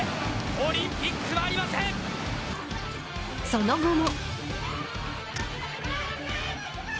その後も。